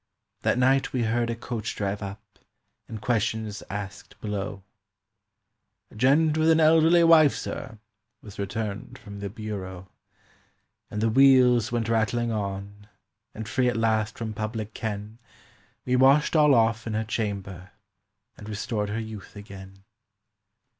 That night we heard a coach drive up, and questions asked below. "A gent with an elderly wife, sir," was returned from the bureau. And the wheels went rattling on, and free at last from public ken We washed all off in her chamber and restored her youth again.